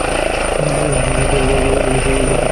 জ্বরের ঘোরে ঐ লোকটির ছবি বারবার মনে হলো।